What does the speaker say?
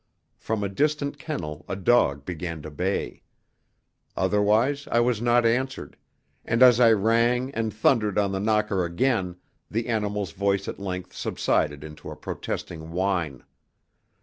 From a distant kennel a dog began to bay. Otherwise I was not answered, and as I rang and thundered on the knocker again, the animal's voice at length subsided into a protesting whine.